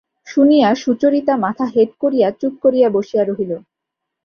শুনিয়া সুচরিতা মাথা হেঁট করিয়া চুপ করিয়া বসিয়া রহিল।